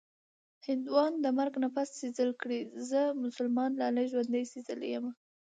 هندوان د مرګ نه پس سېزل کړي-زه مسلمان لالي ژوندۍ سېزلې یمه